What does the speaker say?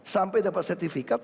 sampai dapat sertifikat